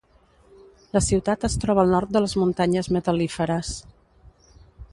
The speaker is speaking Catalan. La ciutat es troba al nord de les Muntanyes Metal·líferes.